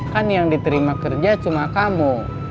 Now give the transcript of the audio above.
kan yang diterima kerja cuma kamu